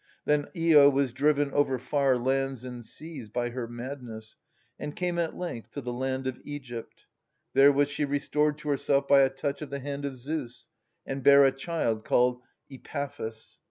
Then lo was driven over far lands and seas by her madness, and came at length to the land of Egypt. There was she restored to herself by a touch of the hand of Zeus, and bare a child called Epaphus.